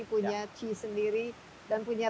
punya chie sendiri dan punya